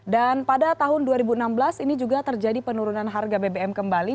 dan pada tahun dua ribu enam belas ini juga terjadi penurunan harga bbm kembali